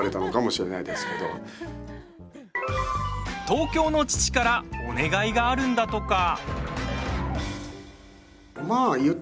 東京の父からお願いがあるんだとか。